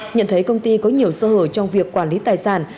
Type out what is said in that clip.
nhận thấy công ty có nhiều sơ hở trong việc quản lý tài sản